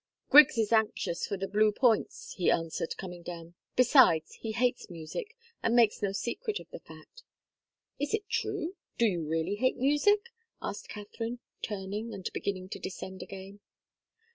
"Griggs is anxious for the Blue Points," he answered, coming down. "Besides, he hates music, and makes no secret of the fact." "Is it true? Do you really hate music?" asked Katharine, turning and beginning to descend again.